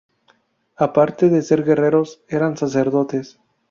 Aparte de ser guerreros, eran sacerdotes.